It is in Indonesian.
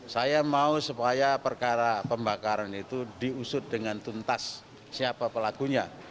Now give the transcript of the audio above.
saya mau supaya perkara pembakaran itu diusut dengan tuntas siapa pelakunya